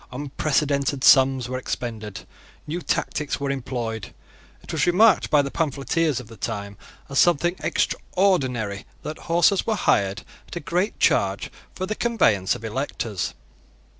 Unprecedented sums were expended. New tactics were employed. It was remarked by the pamphleteers of that time as something extraordinary that horses were hired at a great charge for the conveyance of electors.